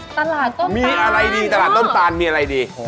ตลาดต้นตานมีอะไรดีตลาดต้นตานมีอะไรดีโอ้โฮ